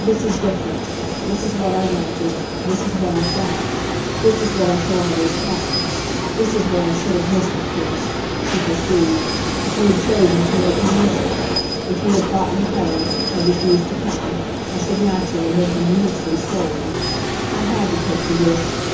This is different. This is what I wanted. This is what I've got. This is what I shall always have. This is what I should have missed, of course," she pursued, "if you had chosen to make me miss it. If you had thought me horrid, had refused to come, I should, naturally, have been immensely 'sold.' I had to take the risk.